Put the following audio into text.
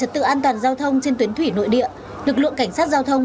từ an toàn giao thông trên tuyến thủy nội địa lực lượng cảnh sát giao thông